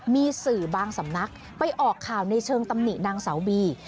มีสื่อบางสำนักไปออกข่าวในเชิงตำหนินางสาวบี